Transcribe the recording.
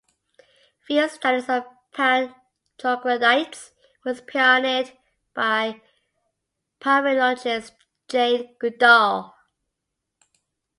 Field studies of "Pan troglodytes" were pioneered by primatologist Jane Goodall.